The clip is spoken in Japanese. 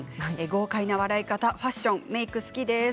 豪快な笑い方、ファッションもメイクも好きです。